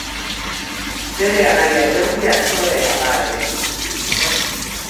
Bere anaia Jordi aktorea da ere.